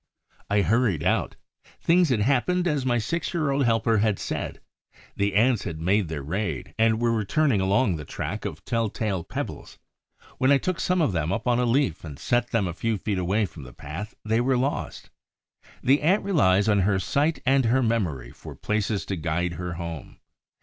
I hurried out. Things had happened as my six year old helper had said. The Ants had made their raid and were returning along the track of telltale pebbles. When I took some of them up on a leaf and set them a few feet away from the path, they were lost. The Ant relies on her sight and her memory for places to guide her home.